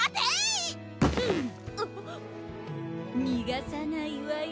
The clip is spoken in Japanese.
逃がさないわよ。